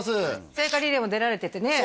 聖火リレーも出られててね